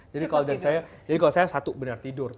jadi kalau saya satu benar tidur